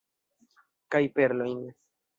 Kaj perlojn.